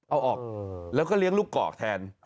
เอาออกแล้วก็เลี้ยงลูกกอกแทน